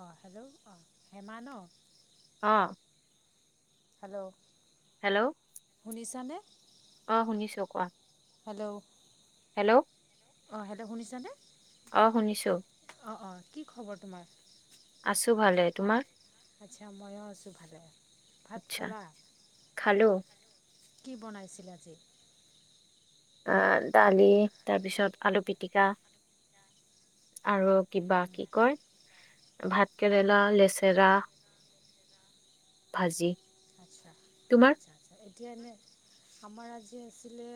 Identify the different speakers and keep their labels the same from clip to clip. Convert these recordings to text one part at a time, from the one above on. Speaker 1: অ hello অ হেমা ন?
Speaker 2: অ
Speaker 1: হেল্ল'
Speaker 2: হেল্ল' অ শুনিচোঁ। কোৱা।
Speaker 1: হেল্ল' [inaudible]
Speaker 2: হেল্ল'
Speaker 1: অঁ হেল্ল' শুনিছানে?
Speaker 2: অ শুনিছো।
Speaker 1: অঁ অঁ কি খবৰ তোমাৰ?
Speaker 2: আছো ভালে, তোমাৰ?
Speaker 1: আচ্ছা মইয়ো আছোঁ ভালে ভাত খালা? কি বনাইছিল আজি?
Speaker 2: আহ দালি তাৰপিছত আলু পিটিকা আৰু কিবা কি কয় ভাত কেৰেলা লেচেৰা ভাজি
Speaker 1: আ এতিয়া এনে আমাৰজ জে আছিলছিলে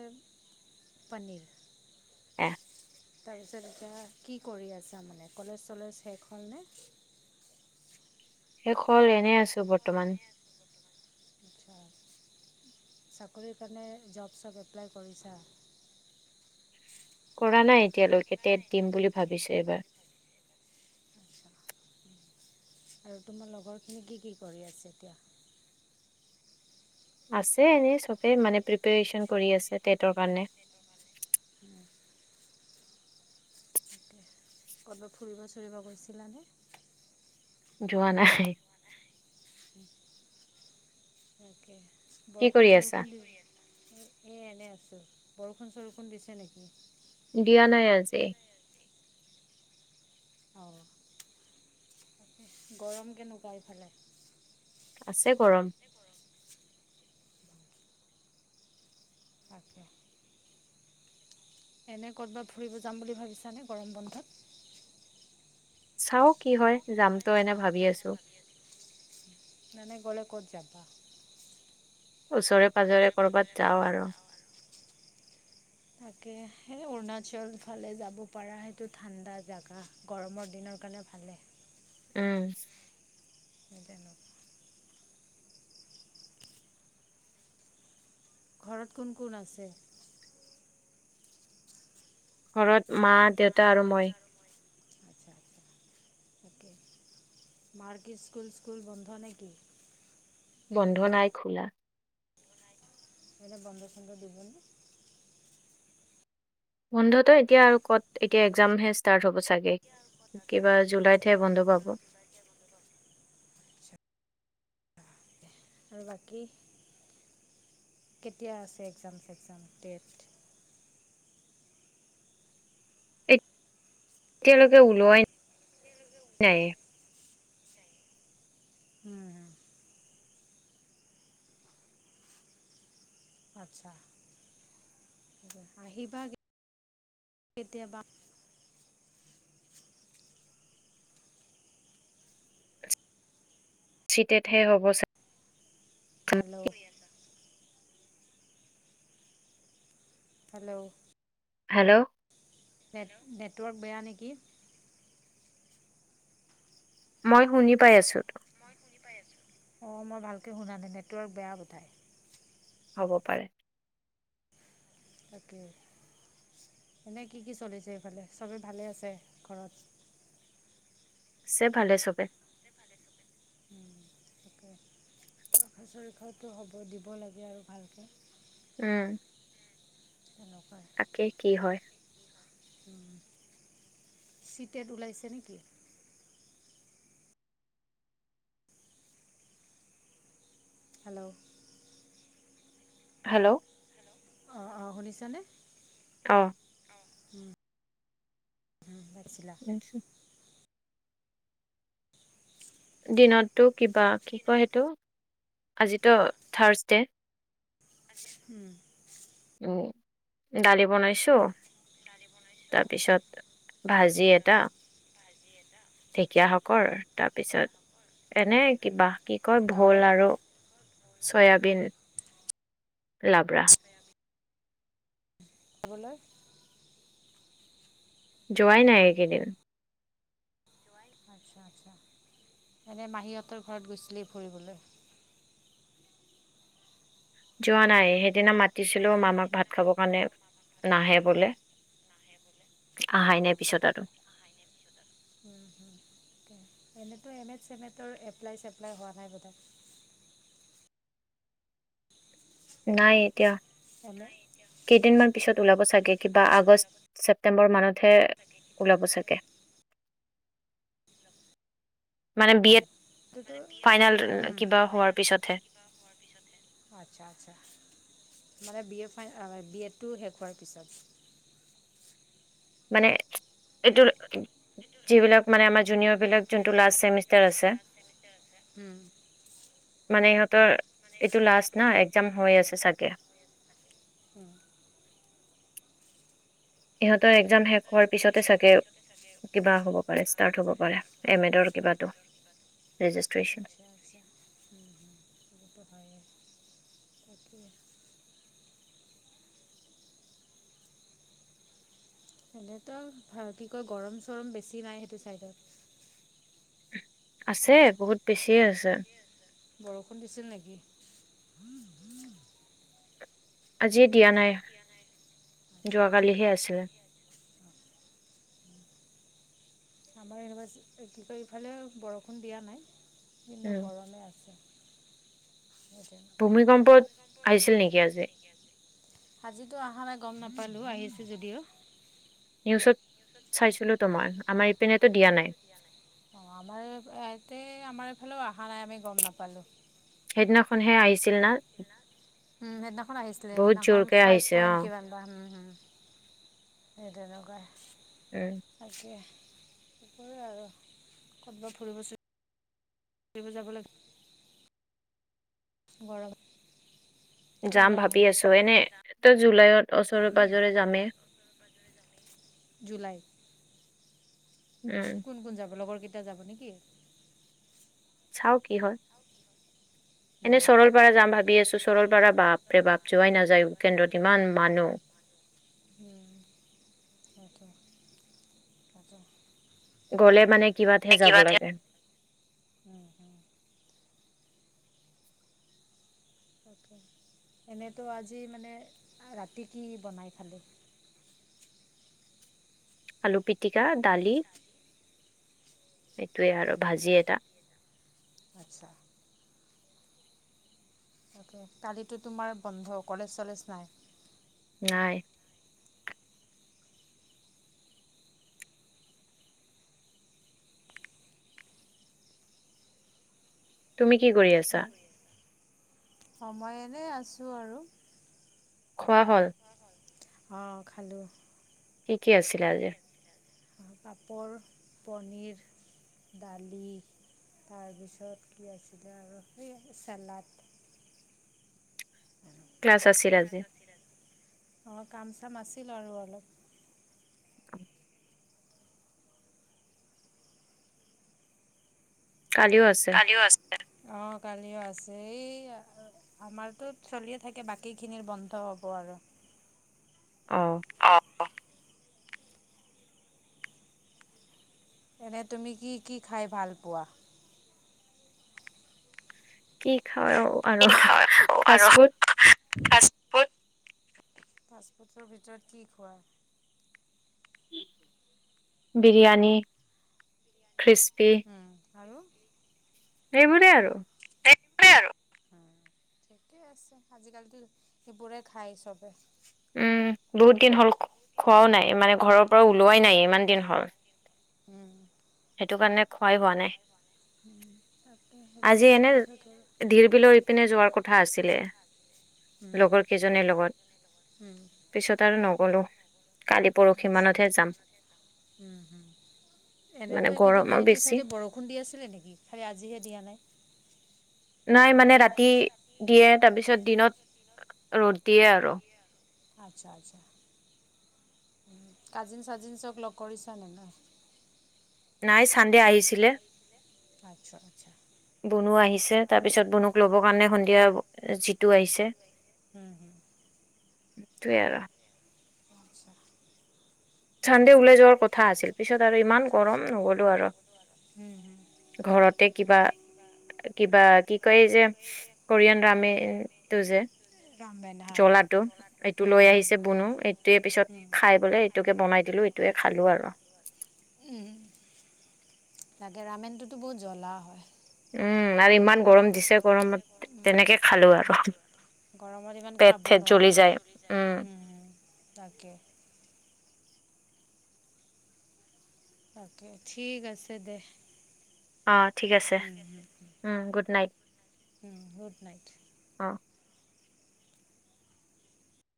Speaker 1: পনীৰ
Speaker 2: আহ
Speaker 1: তাৰপিছত এতিয়া কি কৰি আছা মানে কলেজ চলেজ শেষ হ'লনে
Speaker 2: শেষ হল এনে আছো বৰ্তমান
Speaker 1: আচছা চাকৰিৰ কাৰণে জব চব এপ্লাই কৰিছা
Speaker 2: কৰা নাই এতিয়ালৈকে টেট দিম বুলি ভাবিছে এইবাৰ
Speaker 1: আৰু তোমাৰ লগৰখিনি কি কি কৰি আছে এতিয়া
Speaker 2: আছে এনে চবে মানে প্ৰিপৰেচন কৰি আছে টেটৰ কাৰণে
Speaker 1: উম ক'ৰবাত ফুৰিব চুৰিব গৈছিলানে
Speaker 2: যোৱা নাই
Speaker 1: তাকে বৰষুণ চৰষুণ দিৰি এ এ এনে আছো বৰষুণ চৰষুণ দিছে নেকি?
Speaker 2: দিয়া নাই আজি
Speaker 1: অঁ গৰম কেনেকুৱা ইফালে
Speaker 2: আছে গৰম
Speaker 1: তাকে এনে ক'ত বা ফুৰিব যাম বুলি ভাবিছানে গৰম বন্ধত
Speaker 2: চাও কি হয় যাম তো এনে ভাবি আছো
Speaker 1: মানে গ'লে ক'ত যাবা
Speaker 2: ওচৰে পাজৰে কৰবাত যাও আৰু
Speaker 1: তাকে সেই অৰুণাচল ফালে যাব পৰা সেইটো ঠাণ্ডা জাগা গৰমৰ দিনৰ কাৰণে ভালেই
Speaker 2: উম
Speaker 1: হ'লে ন ঘৰত কোন কোন আছে
Speaker 2: ঘৰত মা দেউতা আৰু মই
Speaker 1: মাৰ্কি স্কুল স্কুল বন্ধ নেকি
Speaker 2: বন্ধ নাই খোলা
Speaker 1: এ বন্ধ - চন্ধ দিব মানে
Speaker 2: বন্ধত এতিয়াত কিবা ক'ত একজামে ষ্টাৰ্ট হব চাগে কিবা জুলাইত। জুলাই তে বন্ধ পাব
Speaker 1: আৰু বাকী কেতিয়া আছে একজাম চেকজাম টেষ্ট।
Speaker 2: এতিয়ালৈকে ওলোৱাই নাই
Speaker 1: উম হ আচ্ছা আহিবা কেতিয়াবা
Speaker 2: চিটেতহে হ'ব চ
Speaker 1: হব নে? হেল্ল
Speaker 2: হেল্ল'
Speaker 1: নেট নেটৱৰ্ক বেয়া নেকি
Speaker 2: মই শুনি পাই আছো
Speaker 1: অঁ মই ভালকৈ শুনা নাই নেটৱৰ্ক বেয়া পোঠায়
Speaker 2: হ'ব পাৰে
Speaker 1: তাকে এনেই কি কি চলিছে এইফালে চবেই ভালে আছে ঘৰত
Speaker 2: আছে ভালে চবে
Speaker 1: তাকে খচৰি খতটো হ'ব দিব লাগে আৰু ভালকৈ
Speaker 2: উম তাকে কি হয়
Speaker 1: চিতেড ওলাইছে নেকি হেল্ল'
Speaker 2: হেল্ল'
Speaker 1: অঁ অঁ শুনিছানে
Speaker 2: অ
Speaker 1: [unintelligible]
Speaker 2: নিছো দিনত টো কিবা কি কয় সেইটো আজিতো থাৰ্ছ ডে
Speaker 1: [unintelligible]
Speaker 2: উম দালি বনাইছো তাৰপিছত ভাজি এটা ঢেকীয়া শাকৰ তাৰপিছত এনে কিবা কি কয় ভুল আৰু চয়াবিন লাউৰা
Speaker 1: বোলে
Speaker 2: জোৱাই নাই এই কেইদিন
Speaker 1: আচছা আচছা এনে মাহীহঁতৰ ঘৰত গৈছিলেই ফৰিবলৈ
Speaker 2: যোৱা নাই সেইদিনা মাতিছিলো মামাক ভাত খাব কাৰণে নাহে বোলে আহাই নাই পিছত আৰু
Speaker 1: ত এনেইতো এম এট চেমটৰ এপ্লাই চেপ্লাই হোৱা নাই বোধাক
Speaker 2: নাই এতিয়া
Speaker 1: অনে
Speaker 2: কেইদিনমান পিছত ওলাব চাগে কিবা আগষ্ট ছেপ ছেপটেম্বৰ মানতহে ওলাব চাগে মানে বি এড ফাইনেল কিবা হোৱাৰ পিছতহে
Speaker 1: মানে বি এ ফাই বি এডটো শেষ হোৱাৰ পিছত
Speaker 2: মানে এইটো যিবিলাক মানে আমাৰ জুনিয়ৰবিলাক যোনটো লাষ্ট চেমিষ্টাৰ আছে
Speaker 1: হম
Speaker 2: মানে ইহঁতৰ এইটো লাষ্ট না একজাম হৈ আছে চাগে
Speaker 1: [unintelligible]
Speaker 2: ইহঁতৰ এক একজাম শেষ হোৱাৰ পিছতে চাগে কিবা হ'ব পাৰে ষ্টাৰ্ট হ'ব প [unintelligible]
Speaker 1: আগছা আ্ছা প় [inaudible] তাকে! এনেতো কি কয় গৰম চৰম বেছি নাই, সেইটো চাইডত।
Speaker 2: আছে, বহুত বেছিয়ে এ' হৈছে
Speaker 1: বৰষুণ দিছিল নেকি?
Speaker 2: আজি দিয়া নাই, যোৱাকালিহে আছিলে।
Speaker 1: আমাৰ ইউনিভাৰ্চি, কি কয় ইফালে বৰষুণ দিয়া নাই। কিন্তু গৰমে আছে। আজিতো অহা নাই গম নাপ [inaudible] নাপালোঁ আহিছোঁ যদিও।
Speaker 2: চাইছিলো তো মই, আমাৰ ইপিনেটো দিয়া নাই।
Speaker 1: অঁ আমাৰ ইতে, আমাৰ এইফালেও অহা নাই, আমি গম নাপালো।
Speaker 2: সেইদিনাখনহে আহিছিল না?
Speaker 1: উম সেইদিনাখন আহিছিলে, সেইদিনাখন ফাই পইন্ট কিমান বা, হ'ম-হম। সেইদ নককাই [inaudible] তাকে। আৰু ক'বাত ফুৰিব [unintelligible] ফৰিব যাব লাগ [unintelligible] গৰ
Speaker 2: যাম ভাবি আছো। এনে, ত' জুলাইত ওচৰে পাজৰে যামেই।
Speaker 1: কোন কোন যাব, লগৰ কে তে যাব নেকি?
Speaker 2: চাও কি হয়। এনে চৰলপাৰা যাম ভাবি আছো, চৰলপাৰা বাপ ৰে বাপ যোৱাই নাযায়, কেন্দ্ৰত ইমান মানুহ
Speaker 1: উ সটো তটো [inaudible]
Speaker 2: গ'লে মানে কিবাতহে যাব লাগে।
Speaker 1: তাকে, এনেইতো আজি মানে ৰাতি কি বনাই খালি?
Speaker 2: আলু পিটিকা দালি, এইটোৱে আৰু ভাজি এটা।
Speaker 1: আচ্ছা। অকে, কালিতো তোমাৰ বন্ধ কলেজ চলেজ নাই!
Speaker 2: নাই। তুমি কি কৰি আছা?
Speaker 1: সময়নেই আছোঁ আৰু।
Speaker 2: খোৱা হল?
Speaker 1: অঁ খালোঁ।
Speaker 2: কি আছিলা আজি?
Speaker 1: পাপৰ পনীৰ দালি তাৰপিছত কি আছিলে আৰু সে চালাড
Speaker 2: ক্লাছ আছিল আজি
Speaker 1: কাম আাছিল আৰু অলপ
Speaker 2: কালিও আছে
Speaker 1: অঁ কালিও আছে এই আমাৰতো চলিয়ে থাকে বাকীখিনিৰ বন্ধ হ'ব আৰু
Speaker 2: অহ
Speaker 1: এনে তুমি কি কি খাই ভাল পোৱা?
Speaker 2: কি আৰু আৰু ফাষ্টফুড [inaudible]
Speaker 1: [unintelligible] ভিতৰত কি খোৱা
Speaker 2: বিৰিয়ানি খৃষ্পি
Speaker 1: আৰু
Speaker 2: এইবোৰে আৰু
Speaker 1: ঠিকে আছে আজিকালিতো সেইবোৰে খাই চবে
Speaker 2: উম বহুত দিন হ'ল খোৱাও নাই মানে ঘৰৰ পৰাও ওলোৱাই নাই ইমান দিন হ'ল
Speaker 1: উ
Speaker 2: সেইটো কাৰণে খোৱাই হোৱা নাই।
Speaker 1: [inaudible]
Speaker 2: আজি এনে ধিৰ বিলৰ ইপিনে যোৱাৰ কথা আছিলে লগৰ কেইজীৰ লগত পিছত আৰু নগলো
Speaker 1: উম হম এনেতো এইকেইদিন সেইটো চাইডে বৰষুণ দি আছিলে নেকি খালি আজিহে দিয়া নাই
Speaker 2: নাই মানে ৰাতি দিয়ে তাৰপিছত দিনত ৰ'দ দিয়ে আৰু
Speaker 1: আচ্ছা আচ্ছা কাজিন চাজিন চক লগ কৰিছানে?
Speaker 2: নাই চান্দে আহিছিলে
Speaker 1: আচ্ছা আচ্ছা
Speaker 2: তাৰ পিছত বুনুক ল'বৰ কাৰণে সন্ধিয়া যিটো আহিছে
Speaker 1: উম হম
Speaker 2: তোৱে আৰু
Speaker 1: আচ্ছা
Speaker 2: চান্দে ওলাই যোৱাৰ কথা আছিল পিছত আৰু ইমান গৰম নগলো আৰু ঘৰতে কিবা কিবা কি কয় যে কোৰিয়ান ৰামে-টো যে জলাটো এইটো লৈ আহিছে বুনো এইটোৱে পিছত খাই বোলে খাই দিলো এইটোয়ে খালো আৰু
Speaker 1: উম লাগে ৰামেনটোতো বহুত জ্বলা হয় গৰমত ইমান খাব নোৱাৰি উম উম তাকে অকে ঠিক আছে দে
Speaker 2: অ ঠিক আছে উম গুড নাইট
Speaker 1: গুড নাইট